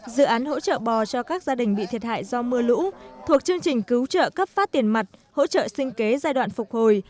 dự án hỗ trợ bò cho các gia đình bị thiệt hại do mưa lũ thuộc chương trình cứu trợ cấp phát tiền mặt hỗ trợ sinh kế giai đoạn phục hồi